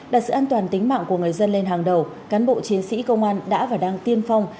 đặt sự an toàn tính mạng của người dân lên hàng đầu cán bộ chiến sĩ công an đã và đang tiên phong